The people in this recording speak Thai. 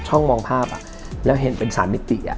ช่องมองภาพแล้วเห็นเป็นสารมิติ